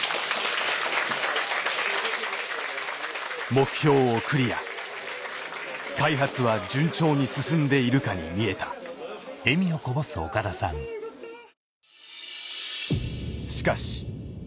目標をクリア開発は順調に進んでいるかに見えた・よかった！